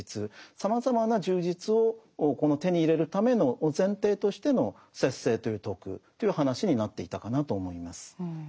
さまざまな充実を手に入れるための前提としての節制という徳という話になっていたかなと思います。